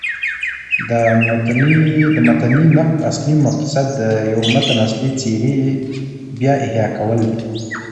د متني نقد اصلي مقصد د یوه متن اصلي څېرې بيا احیا کول دي.